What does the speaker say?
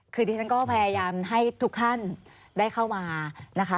คือดิฉันก็พยายามให้ทุกท่านได้เข้ามานะคะ